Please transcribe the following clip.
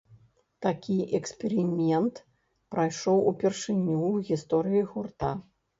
Такі эксперымент прайшоў упершыню ў гісторыі гурта.